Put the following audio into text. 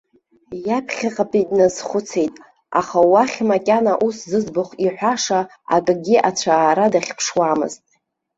Иаԥхьаҟатәи дназхәыцит, аха уахь макьана ус зыӡбахә иҳәаша акгьы ацәаара дахьԥшуамызт.